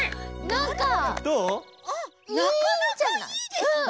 なかなかいいですね。